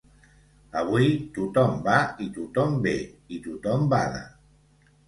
Avui tothom va i tothom ve, i tothom bada.